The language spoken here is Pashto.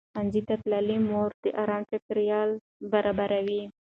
ښوونځې تللې مور د ارام چاپېریال برابروي.